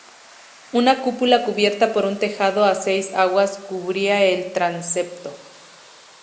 Una cúpula cubierta por un tejado a seis aguas cubría el transepto.